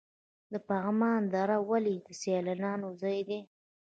د پغمان دره ولې د سیلانیانو ځای دی؟